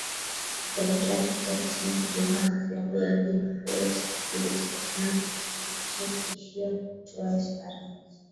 kuelekea Afrika Kusini kujiunga na klabu ya Bidvest Wits lakini akajikuta akiishia kutua Esperance